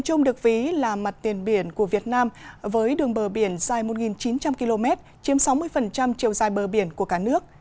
tiền biển của việt nam với đường bờ biển dài một chín trăm linh km chiếm sáu mươi chiều dài bờ biển của cả nước